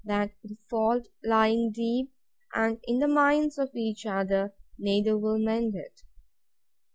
That the fault lying deep, and in the minds of each other, neither will mend it.